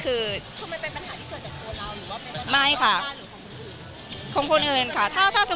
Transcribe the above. คือมันเป็นปัญหาที่เกิดจะกลัวเราเหรอ